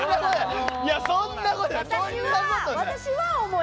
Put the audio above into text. そんなことない！